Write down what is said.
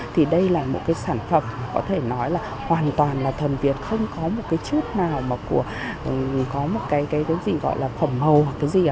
thì đây là một cái sản phẩm có thể nói là hoàn toàn là thần việt không có một cái chút nào mà có một cái cái gì gọi là phẩm hầu hoặc cái gì